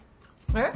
えっ？